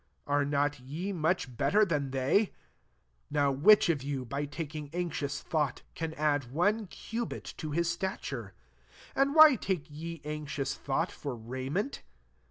Are not ye much better than they ? 27 Now which of you, by taking anxious thought, can add one cubit to his stature ? 28 And why take ye anxious thought for raiment